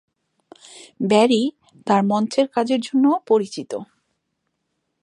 Barry তার মঞ্চের কাজের জন্যও পরিচিত।